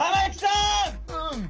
うん。